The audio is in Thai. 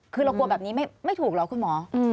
คือเรากลัวแบบนี้ไม่ถูกเหรอคุณหมอ